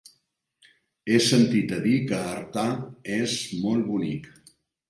He sentit a dir que Artà és molt bonic.